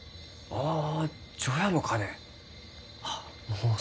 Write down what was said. ・ああ！